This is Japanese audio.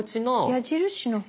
矢印の方？